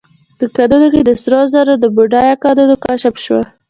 په کانونو کې د سرو زرو د بډایه کانونو کشف شو.